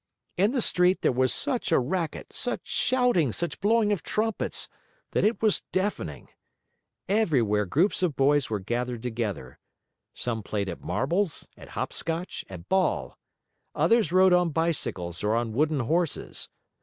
In the street, there was such a racket, such shouting, such blowing of trumpets, that it was deafening. Everywhere groups of boys were gathered together. Some played at marbles, at hopscotch, at ball. Others rode on bicycles or on wooden horses.